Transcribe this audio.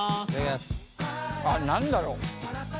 あっ何だろう。